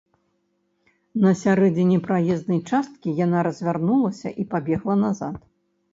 На сярэдзіне праезнай часткі яна развярнулася і пабегла назад.